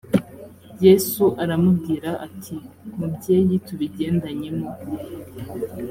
yesu aramubwira ati mubyeyi tubigendanyemo